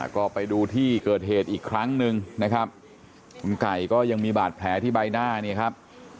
ก็ไปดูที่เกิดเหตุอีกครั้งหนึ่งนะครับคุณไก่ก็ยังมีบาดแผลที่ใบหน้าเนี่ยครับ